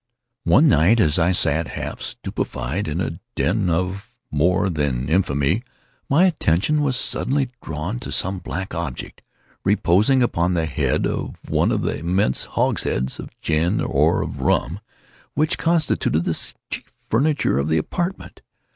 One night as I sat, half stupefied, in a den of more than infamy, my attention was suddenly drawn to some black object, reposing upon the head of one of the immense hogsheads of gin, or of rum, which constituted the chief furniture of the apartment.